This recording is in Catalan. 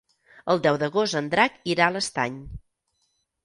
El deu d'agost en Drac irà a l'Estany.